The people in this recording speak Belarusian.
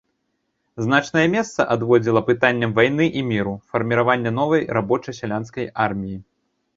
Значнае месца адводзіла пытанням вайны і міру, фарміравання новай рабоча-сялянскай арміі.